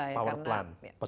polutif lah jadi yang mencemar